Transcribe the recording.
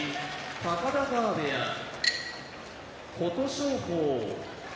高田川部屋琴勝峰